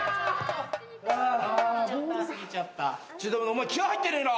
お前気合入ってねえな。